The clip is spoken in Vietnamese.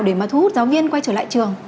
để mà thu hút giáo viên quay trở lại trường